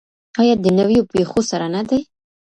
آیا د نویو پیښو سره نه دی؟